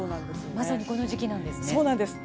まさにこの時期なんですね。